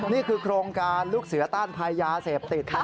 นี่คือโครงการลูกเสือต้านภัยยาเสพติด